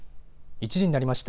１時になりました。